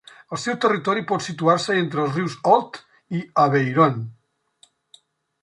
El seu territori pot situar-se entre els rius Òlt i Aveyron.